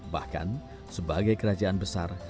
bahkan sebagai kerajaan besar